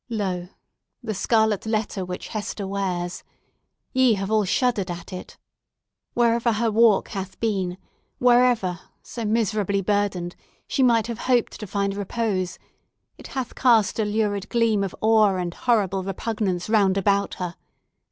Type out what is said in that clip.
Lo, the scarlet letter which Hester wears! Ye have all shuddered at it! Wherever her walk hath been—wherever, so miserably burdened, she may have hoped to find repose—it hath cast a lurid gleam of awe and horrible repugnance round about her.